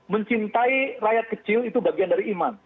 mencintai rakyat kecil itu bagian dari iman